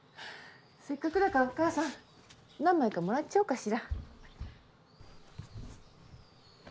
せっかくだからお母さん何枚かもらっちゃおうかしら。